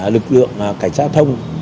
lực lượng cảnh sát thông